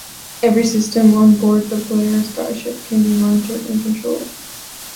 Every system on board the player's starship can be monitored and controlled.